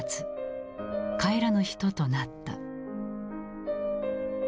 帰らぬ人となった。